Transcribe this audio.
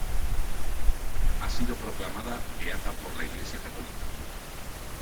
Ha sido proclamada beata por la Iglesia Católica.